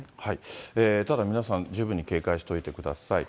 ただ皆さん、十分に警戒しておいてください。